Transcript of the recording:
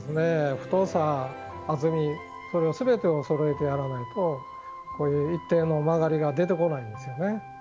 太さ厚み全てをそろえてやらないとこういう一定の曲がりが出てこないんですよね。